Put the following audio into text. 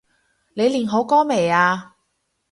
你練好歌未呀？